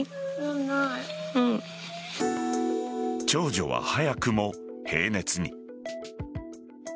長女は早くも平熱に。